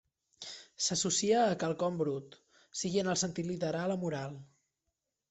S'associa a quelcom brut, sigui en el sentit literal o moral.